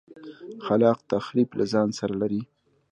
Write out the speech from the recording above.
خلاق تخریب له ځان سره لري.